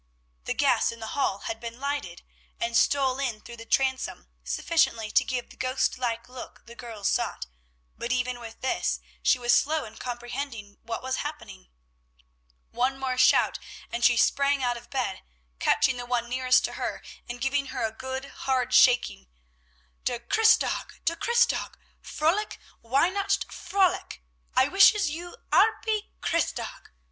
The gas in the hall had been lighted, and stole in through the transom sufficiently to give the ghost like look the girls sought; but even with this, she was slow in comprehending what was happening. One more shout, and she sprang out of bed, catching the one nearest to her, and giving her a good, hard shaking. "Der Christtag! Der Christtag! Fröhlich Weinacht! Fröhlich; I wishes you 'arpy Christtag!